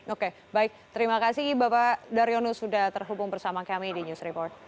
oke baik terima kasih bapak daryono sudah terhubung bersama kami di news report